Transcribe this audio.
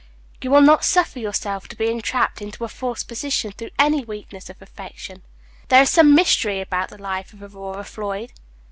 "you will not suffer yourself to be entrapped into a false position through any weakness of affection. There is some mystery about the life of Aurora Floyd."